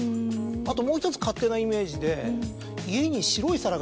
あともう１つ勝手なイメージで。